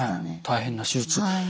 ねえ大変な手術。